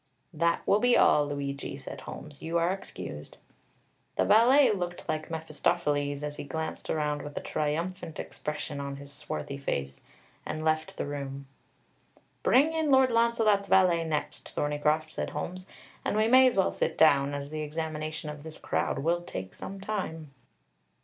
"That will be all, Luigi," said Holmes; "you are excused." The valet looked like Mephistopheles, as he glanced around with a triumphant expression on his swarthy face, and left the room. "Bring in Lord Launcelot's valet next, Thorneycroft," said Holmes. "And we may as well sit down, as the examination of this crowd will take some time."